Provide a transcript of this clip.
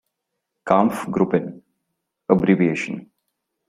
"Kampfgruppen"; abbrev.